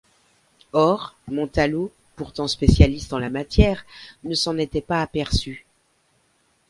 Or, Montalo, pourtant spécialiste en la matière, ne s'en était pas aperçu...